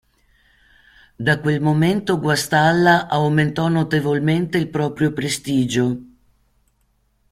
Da quel momento Guastalla aumentò notevolmente il proprio prestigio.